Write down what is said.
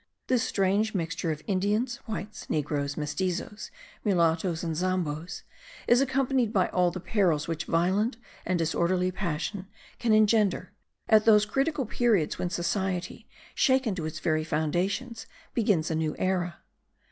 This strange mixture of Indians, whites, negroes, mestizos, mulattoes and zambos is accompanied by all the perils which violent and disorderly passion can engender, at those critical periods when society, shaken to its very foundations, begins a new era.